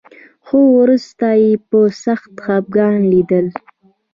خو وروسته یې په سخت خپګان لیدل